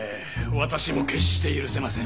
私も決して許せません！